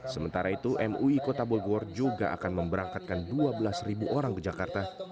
sementara itu mui kota bogor juga akan memberangkatkan dua belas orang ke jakarta